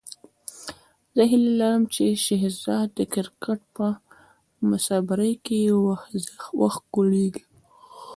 زه هیله لرم چې شهزاد د کرکټ په مبصرۍ کې وښکلېږي.